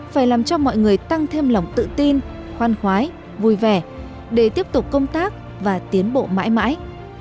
phải làm cho mọi người tăng thêm lòng tự tin khoan khoái vui vẻ để tiếp tục công tác và tiến bộ mãi mãi